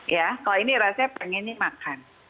ya kalau ini rasanya pengennya makan